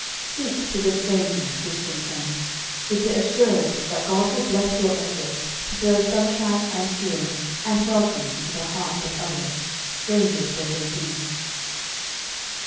Speak to the stranger, Christian friend, with the assurance that God will bless your efforts to throw sunshine and cheer and welcome into the hearts of others strangers though they be.